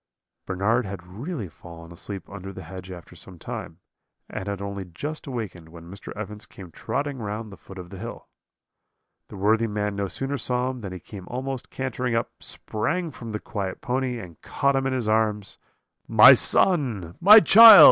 "Bernard had really fallen asleep under the hedge after some time, and had only just awakened when Mr. Evans came trotting round the foot of the hill. "The worthy man no sooner saw him than he came almost cantering up, sprang from the quiet pony, and caught him in his arms. "'My son! my child!'